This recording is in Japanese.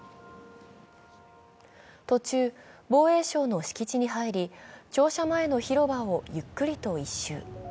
途中、防衛省の敷地に入り、庁舎前の広場をゆっくりと一周。